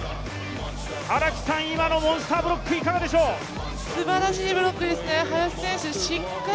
荒木さん、今のモンスターブロックいかがですか？